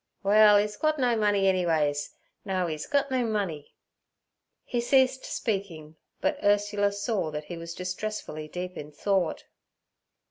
'Well, 'e's gut no money, ennyways. No, 'e's gut no money.' He ceased speaking, but Ursula saw that he was distressfully deep in thought.